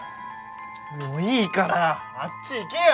もういいからあっち行けよ！